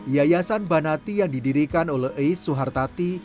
yayasan banati yang didirikan oleh ais suhartati